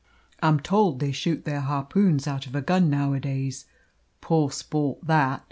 I'm told they shoot their harpoons out of a gun nowadays poor sport that!